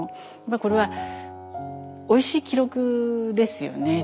これはおいしい記録ですよね。